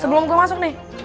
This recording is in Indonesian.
sebelum gue masuk nih